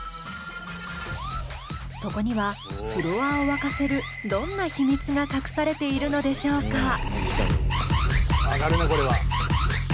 そこにはフロアを沸かせるどんな秘密が隠されているのでしょうか？